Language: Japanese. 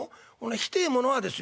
火てえものはですよ